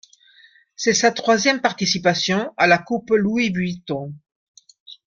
C'est sa troisième participation à la Coupe Louis-Vuitton.